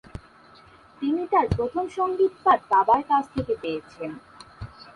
তিনি তার প্রথম সঙ্গীত পাঠ বাবার কাছ থেকে পেয়েছেন।